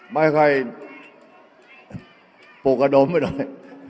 ไม่ค่อยปลูกกระดมไปหน่อย